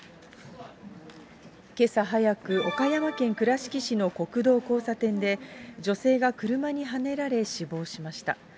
けさ早く、岡山県倉敷市の国道交差点で、女性が車にはねられ死亡しました。